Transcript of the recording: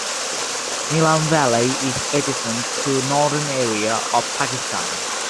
Neelum valley is adjacent to Northern Areas of Pakistan.